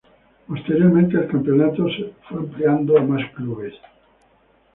Posteriormente el campeonato se fue ampliando a más clubes.